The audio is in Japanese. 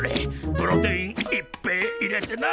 プロテインいっぺえ入れてな！